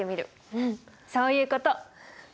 うんそういうこと。